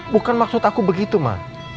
bukan maksud aku begitu ma